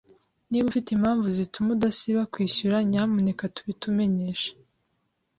Niba ufite impamvu zituma udasiba kwishyura, nyamuneka tubitumenyeshe.